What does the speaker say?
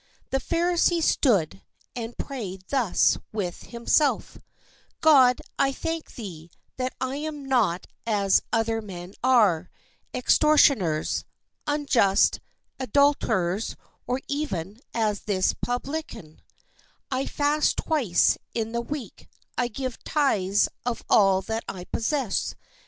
The Pharisee stood and B m THE PHARISEE AND THE PUBLICAN prayed thus with him self: " God, I thank thee, that I am not as other men are, extortioners, unjust, adul terers, or even as this pub lican. I fast twice in the week, I give tithes of all that I possess."